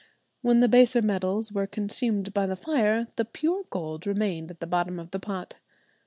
When the baser metals were consumed by the fire, the pure gold remained at the bottom of the pot.